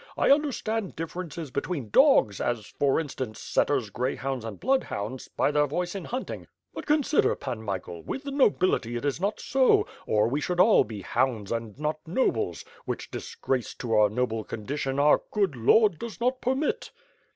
I understand differences between dogs, as for instance; setters, greyhounds and bloodhounds, by their voice in hunting; but, consider. Pan Michael, with the nobility it is not so, or we should all be hounds and not nobles, which disgrace to this noble condition our good Lord docs not permit.''